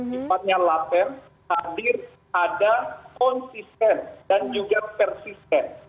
cipatnya laten hadir ada konsisten dan juga persisten